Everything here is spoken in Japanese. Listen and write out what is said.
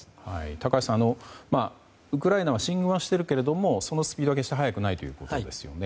高橋さん、ウクライナは進軍はしているけれどもそのスピードは決して早くないということですよね。